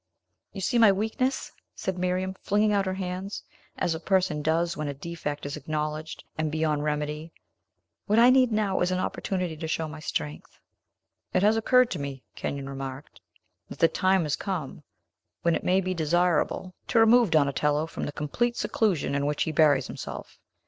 "You see my weakness," said Miriam, flinging out her hands, as a person does when a defect is acknowledged, and beyond remedy. "What I need, now, is an opportunity to show my strength." "It has occurred to me," Kenyon remarked, "that the time is come when it may be desirable to remove Donatello from the complete seclusion in which he buries himself.